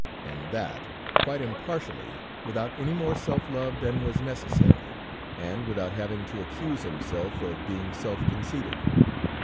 And that, quite impartially, without any more self love than was necessary, and without his having to accuse himself of being self conceited.